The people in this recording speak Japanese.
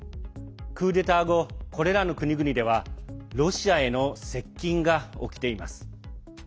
クーデター後、これらの国々ではロシアへの接近が起きています。